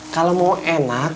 kalau mau enak